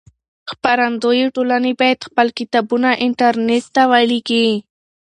خپرندويې ټولنې بايد خپل کتابونه انټرنټ ته ولېږي.